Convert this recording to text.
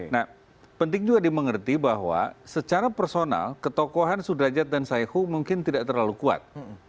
nah penting juga dimengerti bahwa secara personal ketokohan sudrajat dan saihu mungkin tidak terlalu kuat